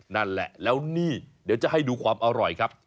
นั่นแหละแล้วนี่เดี๋ยวจะให้ดูความอร่อยครับ